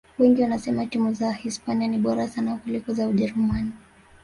wengi wanasema timu za hispania ni bora sana kuliko za ujerumani